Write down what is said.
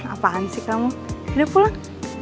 apaan sih kamu ini pulang